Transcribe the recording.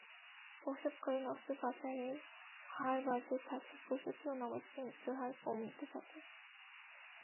প্রসবকালীন অস্ত্রোপচারের হার বাড়তে থাকলে প্রসূতি ও নবজাতকের মৃত্যুহার কমতে থাকে।